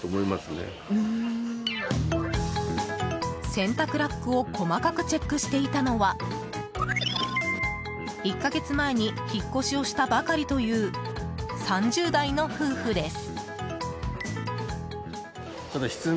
洗濯ラックを細かくチェックしていたのは１か月前に引っ越しをしたばかりという３０代の夫婦です。